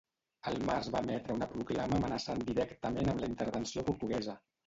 Al març va emetre una proclama amenaçant directament amb la intervenció portuguesa.